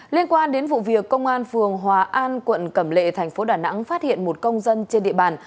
liên quan đến vụ việc công an phường hòa an quận cẩm lệ thành phố đà nẵng phát hiện một công dân trên địa bàn